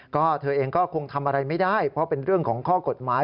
ก็เธอเองก็คงทำอะไรไม่ได้เพราะเป็นเรื่องของข้อกฎหมาย